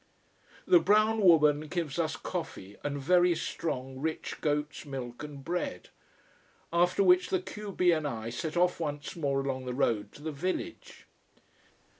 The brown woman gives us coffee, and very strong, rich goats' milk, and bread. After which the q b and I set off once more along the road to the village.